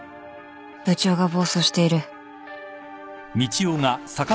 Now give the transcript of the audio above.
部長が暴走している